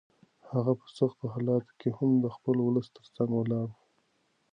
هغه په سختو حالاتو کې هم د خپل ولس تر څنګ ولاړ و.